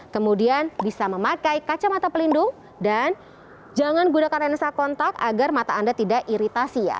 kemudian bisa memakai kacamata pelindung dan jangan gunakan lensa kontak agar mata anda tidak iritasi ya